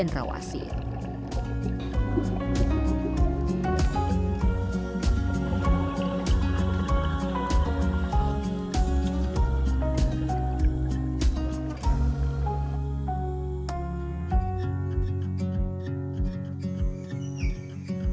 pindah ke sana